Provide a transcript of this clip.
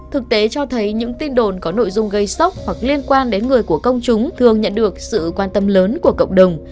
thực tế cho thấy những tin đồn có nội dung gây sốc hoặc liên quan đến người của công chúng thường nhận được sự quan tâm lớn của cộng đồng